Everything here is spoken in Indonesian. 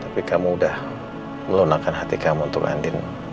tapi kamu udah melunakan hati kamu untuk andin